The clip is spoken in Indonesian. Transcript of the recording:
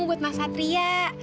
buat mas satria